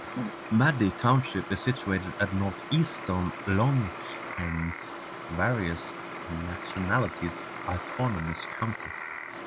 Madi Township is situated at northeastern Longsheng Various Nationalities Autonomous County.